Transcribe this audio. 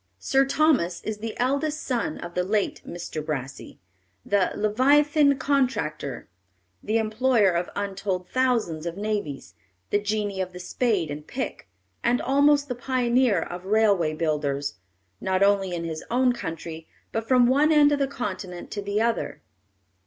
Sir Thomas is the eldest son of the late Mr. Brassey, "the leviathan contractor, the employer of untold thousands of navvies, the genie of the spade and pick, and almost the pioneer of railway builders, not only in his own country, but from one end of the continent to the other."